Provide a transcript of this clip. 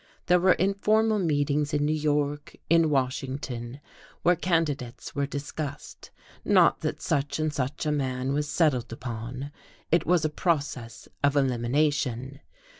There were informal meetings in New York, in Washington, where candidates were discussed; not that such and such a man was settled upon, it was a process of elimination.